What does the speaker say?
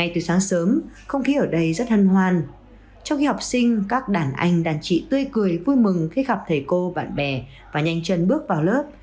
trong khi học sinh các đàn anh đàn chị tươi cười vui mừng khi gặp thầy cô bạn bè và nhanh chân bước vào lớp